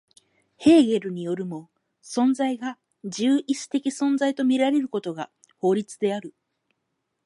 ヘーゲルによるも、存在が自由意志的存在と見られることが法律である。